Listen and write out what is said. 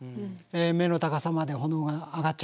目の高さまで炎が上がっちゃった。